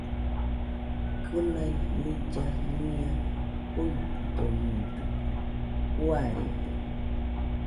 Kɨnai nilla nia fuidoñedɨkue, juarede.